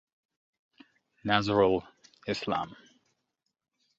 Nazrul Islam.